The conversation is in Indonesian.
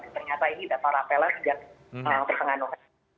ternyata ini data rafelan yang bertengah tengah